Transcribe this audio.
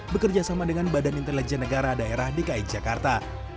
bekerja sama dengan badan intelijen negara daerah dki jakarta